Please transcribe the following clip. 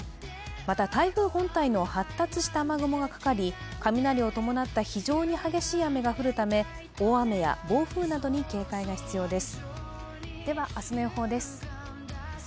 また台風本体の発達した雨雲がかかり雷を伴った非常に激しい雨が降るため大雨や暴風などに警戒が必要です。